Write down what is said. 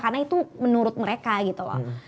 karena itu menurut mereka gitu loh